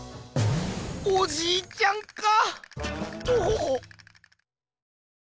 おじいちゃんかトホホ。